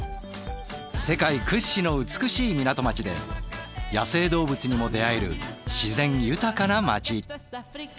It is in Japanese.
世界屈指の美しい港町で野生動物にも出会える自然豊かな町。